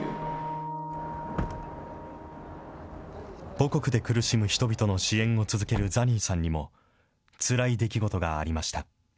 母国で苦しむ人々の支援を続けるザニーさんにも、つらい出来事がありました。